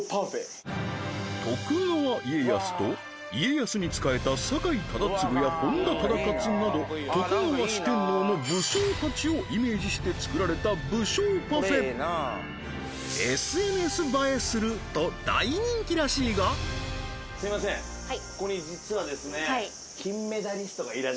徳川家康と家康に仕えた徳川四天王の武将達をイメージして作られた武将パフェＳＮＳ映えすると大人気らしいがはいはいここに実はですねおっ！